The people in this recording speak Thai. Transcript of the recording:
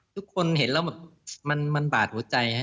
ทุกคนเห็นแล้วมันบาดหัวใจ